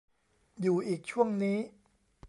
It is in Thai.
อยู่อีกช่วงนี้